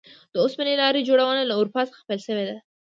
د اوسپنې لارې جوړونه له اروپا څخه پیل شوې ده.